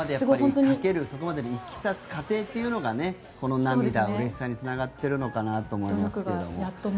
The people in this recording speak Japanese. そこまでにかけるいきさつ、過程っていうのがこの涙、うれしさにつながっているのかなと思いますけれども。